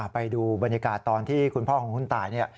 ไปดูบรรยากาศตอนที่คุณพ่อของคุณตายเนี่ย